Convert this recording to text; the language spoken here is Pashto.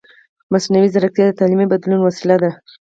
مصنوعي ځیرکتیا د تعلیمي بدلون وسیله ده.